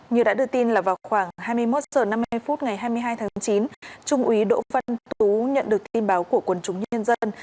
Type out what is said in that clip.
như đã đưa tin là vào khoảng hai mươi một h năm mươi phút ngày hai mươi hai tháng chín trung úy đỗ văn tú nhận được tin báo của quần chúng nhân dân